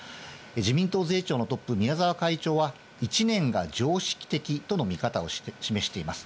自民党税調のトップ、宮沢会長は、１年が常識的との見方を示しています。